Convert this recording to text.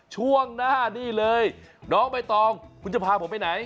ช่วงหน้านี่เลยน้องใบตองคุณจะพาผมไปไหน